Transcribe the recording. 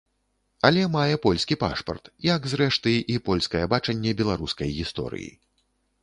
Але мае польскі пашпарт, як, зрэшты, і польскае бачанне беларускай гісторыі.